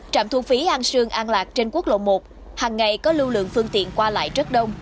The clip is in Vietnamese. trạm thu phí an sương an lạc trên quốc lộ một hằng ngày có lưu lượng phương tiện qua lại rất đông